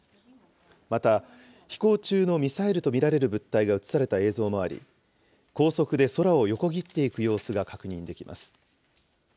また、飛行中のミサイルと見られる物体が写された映像もあり、高速で空を横切っていく様子が確認できます。